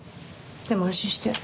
でも安心して。